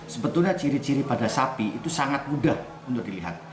sebetulnya ciri ciri pada sapi itu sangat mudah untuk dilihat